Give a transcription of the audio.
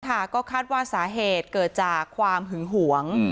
ก็คาดว่าสาเหตุเกิดจากความหึงหวง